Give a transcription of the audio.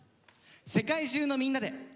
「世界中のみんなで。」。